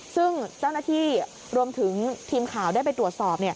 ซึ่งเจ้าหน้าที่รวมถึงทีมข่าวได้ไปตรวจสอบ